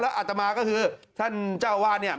แล้วอาตมาก็คือท่านเจ้าวาสเนี้ย